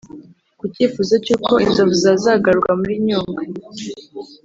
Ku cyifuzo cy’uko inzovu zazagarurwa muri Nyungwe